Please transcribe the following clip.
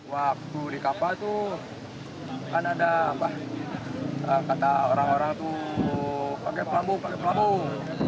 waktu di kapal itu kan ada kata orang orang tuh pakai pelabuh pakai pelabung